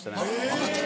分かった？